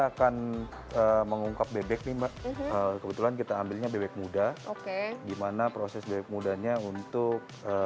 akan mengungkap bebek nih mbak kebetulan kita ambilnya bebek muda oke gimana proses bebek mudanya untuk